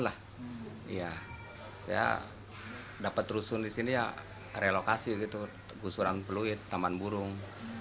ya saya dapat rusun di sini ya relokasi gitu gusuran peluit taman burung